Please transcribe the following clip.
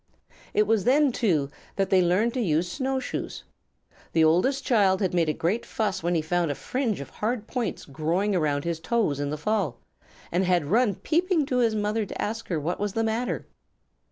It was then, too, that they learned to use snow shoes. The oldest child had made a great fuss when he found a fringe of hard points growing around his toes in the fall, and had run peeping to his mother to ask her what was the matter.